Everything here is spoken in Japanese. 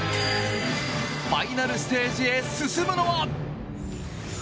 ファイナルステージへ進むのは。